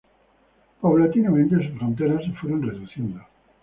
Paulatinamente sus fronteras se fueron reduciendo.